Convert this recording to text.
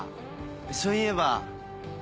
そういえば。